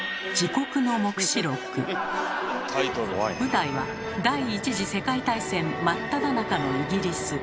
舞台は第一次世界大戦真っただ中のイギリス。